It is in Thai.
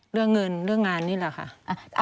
เรื่องเงินเรื่องงานนี่แหละค่ะ